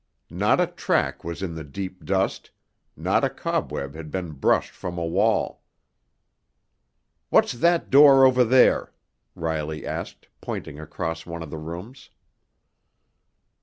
Not a track was in the deep dust, not a cobweb had been brushed from a wall. "What's that door over there?" Riley asked, pointing across one of the rooms.